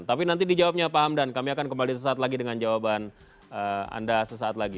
tapi nanti dijawabnya pak hamdan kami akan kembali sesaat lagi dengan jawaban anda sesaat lagi